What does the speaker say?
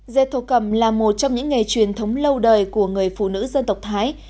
dệt thổ cầm là một trong những nghề truyền thống lâu đời của người phụ nữ dân tộc thái